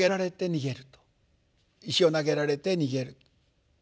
石を投げられて逃げる。